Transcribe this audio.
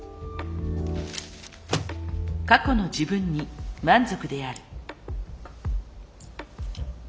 過去の自分に満足である。